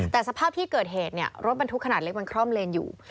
แต่สภาพที่เกิดเหตุเนี่ยรถบรรทุกขนาดเล็กมันคล่อมเลนอยู่